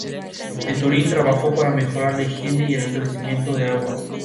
En Turín trabajó para mejorar la higiene y el abastecimiento de agua.